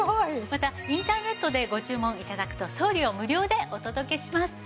またインターネットでご注文頂くと送料無料でお届けします。